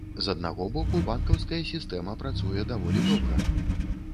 З аднаго боку, банкаўская сістэма працуе даволі добра.